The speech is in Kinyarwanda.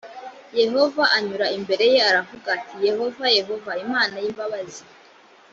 yehova anyura imbere ye aravuga ati “ yehova yehova imana y’imbabazi…”